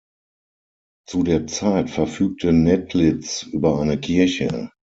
Zu der Zeit verfügte Nedlitz über eine Kirche.